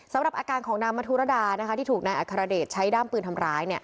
สำหรับอาการของนางมธุรดาที่ถูกนายอัครเดชใช้ด้ามปืนทำร้าย